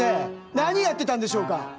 何やってたんでしょうか？